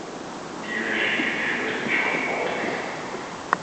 Die Regie führte John Waters.